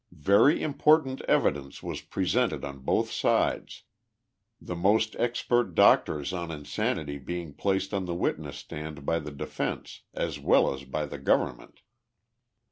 Very important evidence was presented on both sides, the most expert doctors on insanity being placed on the witness stand by the defence as well as by the government.